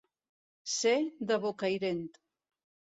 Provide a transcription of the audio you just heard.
Ser de Bocairent.